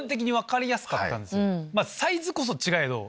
サイズこそ違えど。